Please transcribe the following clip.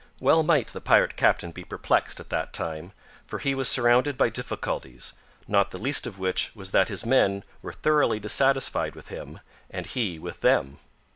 Well might the pirate captain be perplexed at that time, for he was surrounded by difficulties, not the least of which was that his men were thoroughly dissatisfied with him, and he with them.